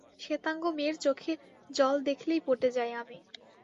শ্বেতাঙ্গ মেয়ের চোখে জল দেখলে পটে যাই আমি।